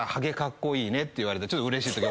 て言われてちょっとうれしいとき。